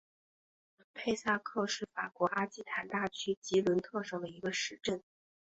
佩萨克是法国阿基坦大区吉伦特省的一个市镇。